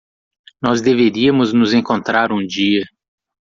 Nós deveríamos nos encontrar um dia.